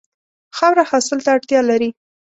خاوره حاصل ته اړتیا لري.